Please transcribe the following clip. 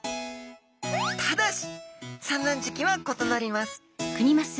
ただし産卵時期は異なります